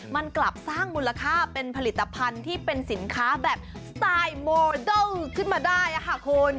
มันกลับสร้างมูลค่าเป็นผลิตภัณฑ์ที่เป็นสินค้าแบบสไตล์โมเดิร์ขึ้นมาได้ค่ะคุณ